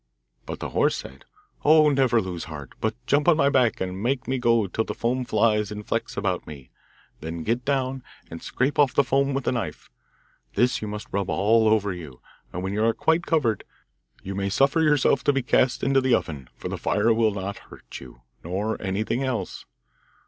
But the horse said, 'Oh, never lose heart, but jump on my back, and make me go till the foam flies in flecks all about me. Then get down, and scrape off the foam with a knife. This you must rub all over you, and when you are quite covered, you may suffer yourself to be cast into the oven, for the fire will not hurt you, nor anything else.